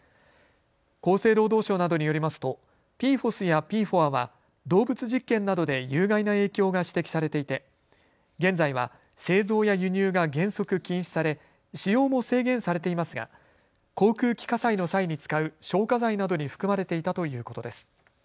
厚生労働省などによりますとＰＦＯＳやＰＦＯＡは動物実験などで有害な影響が指摘されていて現在は製造や輸入が原則禁止され使用も制限されていますが、航空機火災の際に使う消火剤などに含まれていたということです。